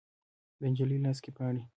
د نجلۍ لاس کې پاڼې